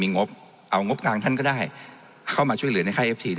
มีงบเอางบกลางท่านก็ได้มาช่วยเหลือในไข่เอฟที